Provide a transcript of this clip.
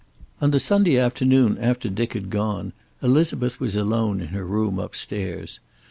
On the Sunday afternoon after Dick had gone Elizabeth was alone in her room upstairs.